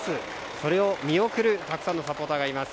それを見送るたくさんのサポーターがいます。